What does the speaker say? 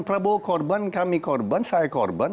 prabowo korban kami korban saya korban